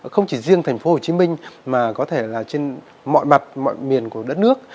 không chỉ riêng thành phố hồ chí minh mà có thể là trên mọi mặt mọi miền của đất nước